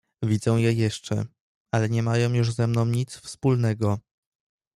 Widzę je jeszcze, ale nie mają już ze mną nic wspólnego.